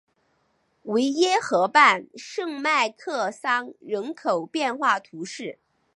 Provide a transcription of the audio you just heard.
维耶河畔圣迈克桑人口变化图示